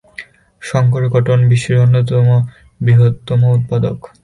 Shankar cotton বিশ্বের অন্যতম বৃহত্তম উৎপাদক।